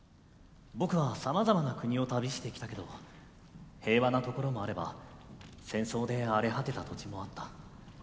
僕はさまざまな国を旅してきたけど平和なところもあれば戦争で荒れ果てた土地もあった。